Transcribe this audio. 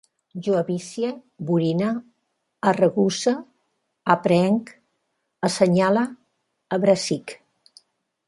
Jo avicie, burine, arregusse, aprehenc, assenyale, abrasisc